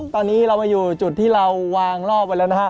ตอนนี้เรามาอยู่จุดที่เราวางรอบไว้แล้วนะฮะ